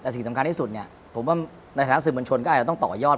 แต่สิ่งสำคัญที่สุดเนี่ยผมว่าในฐานะสื่อมวลชนก็อาจจะต้องต่อยอด